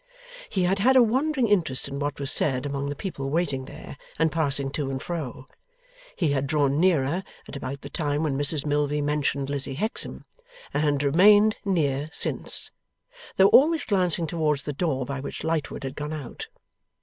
He had had a wandering interest in what was said among the people waiting there and passing to and fro. He had drawn nearer, at about the time when Mrs Milvey mentioned Lizzie Hexam, and had remained near, since: though always glancing towards the door by which Lightwood had gone out.